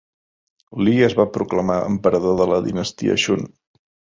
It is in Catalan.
Li es va proclamar emperador de la dinastia Shun.